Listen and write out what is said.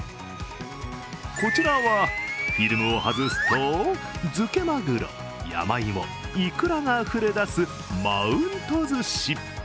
こちらは、フィルムを外すと漬けマグロ、山芋いくらがあふれ出すマウント寿司。